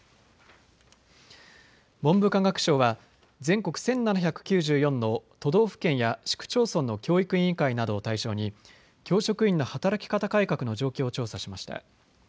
文部科学省は全国１７９４の都道府県や市区町村の教育委員会などを対象に教職員の働き方改革の状況を調査しました。